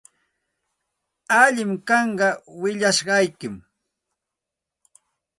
Allinmi kanqa willashqaykim.